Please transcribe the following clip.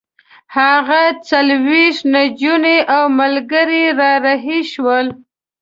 هغه څلوېښت نجونې او ملګري را رهي شول.